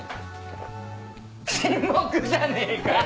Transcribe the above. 沈黙じゃねえかよ！